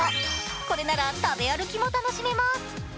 これなら食べ歩きも楽しめます。